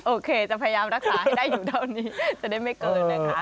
โอเคจะพยายามรักษาให้ได้อยู่เท่านี้จะได้ไม่เกินนะคะ